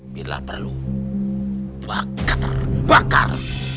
bila perlu bakar bakar